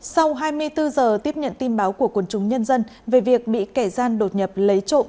sau hai mươi bốn giờ tiếp nhận tin báo của quần chúng nhân dân về việc bị kẻ gian đột nhập lấy trộm